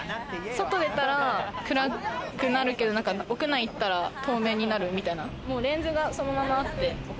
外でたら暗くなるけど、屋内行ったら透明になるみたいな、レンズがそのままあって。